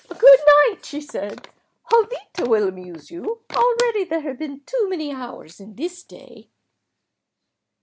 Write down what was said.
"Good night," she said. "Jovita will amuse you. Already there have been too many hours in this day."